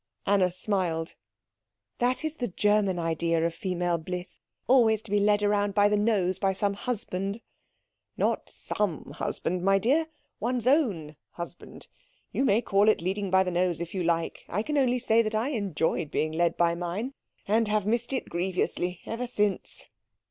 Anna smiled. "That is the German idea of female bliss always to be led round by the nose by some husband." "Not some husband, my dear one's own husband. You may call it leading by the nose if you like. I can only say that I enjoyed being led by mine, and have missed it grievously ever since."